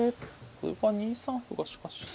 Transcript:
これは２三歩がしかし。